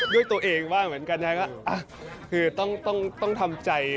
ด้วยตัวเองบ้างเหมือนกันนะฮะก็คือต้องทำใจ